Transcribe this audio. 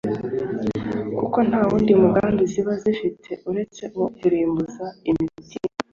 kuko nta wundi mugambi ziba zifite uretse uwo kurimbuza imitima.